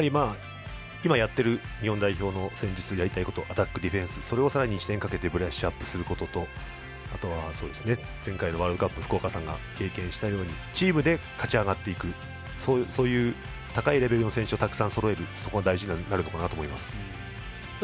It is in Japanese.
今やっている日本代表の戦術やりたいことアタック、ディフェンスそれをさらに時間をかけてブラッシュアップすることとあとは、前回のワールドカップ福岡さんが経験したようにチームで勝ち上がっていくそういう高いレベルの選手をたくさんそろえるのが大事になると思います。